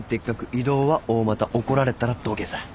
移動は大股怒られたら土下座。